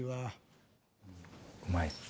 うまいです。